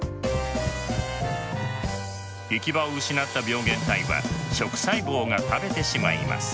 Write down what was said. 行き場を失った病原体は食細胞が食べてしまいます。